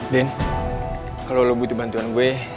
din kalo lo butuh bantuan gue